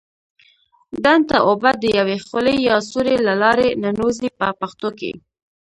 ډنډ ته اوبه د یوې خولې یا سوري له لارې ننوزي په پښتو کې.